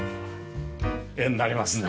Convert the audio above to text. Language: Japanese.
絵になりますね。